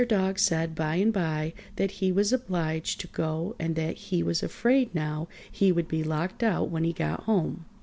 Dog said by and by that he was obliged to go and that he was afraid now he would be locked out when he got home.